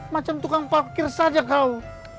macam tukang parkir saja kau